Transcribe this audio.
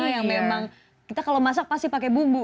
yang memang kita kalau masak pasti pakai bumbu